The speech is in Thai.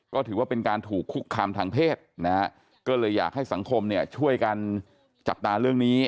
ก็ถือว่าเป็นการถูกคุกคามทางเพศนะฮะก็เลยอยากให้สังคมเนี่ยช่วยกันจับตาเรื่องนี้